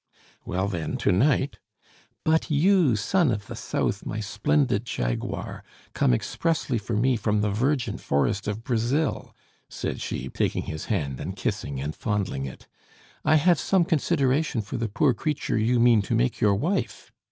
"Well, then, to night " "But you, son of the South, my splendid jaguar, come expressly for me from the virgin forest of Brazil," said she, taking his hand and kissing and fondling it, "I have some consideration for the poor creature you mean to make your wife.